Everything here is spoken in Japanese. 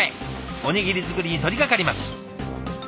おにぎり作りに取りかかります。